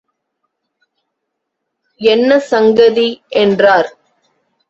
என்ன சங்கதி? என்றார்.